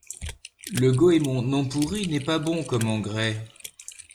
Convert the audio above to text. Le goémon non-pourri n'est pas bon comme emgrais.